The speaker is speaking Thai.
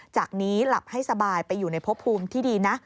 จากนี้หลับให้สบายไปอยู่ในพบภูมิที่ดีนะ